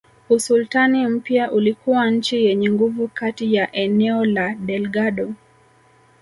Usultani mpya ulikuwa nchi yenye nguvu kati ya eneo la Delgado